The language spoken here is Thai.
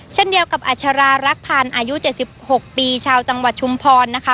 เช่นเดียวกับอัชรารักษ์ผ่านอายุเจ็ดสิบหกปีชาวจังหวัดชุมพรนะคะ